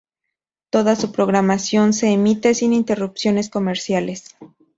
Toda su programación se emite sin interrupciones comerciales.